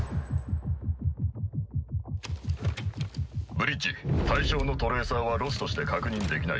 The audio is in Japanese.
ブリッジ対象のトレーサーはロストして確認できない。